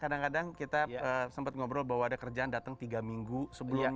kadang kadang kita sempat ngobrol bahwa ada kerjaan datang tiga minggu sebelumnya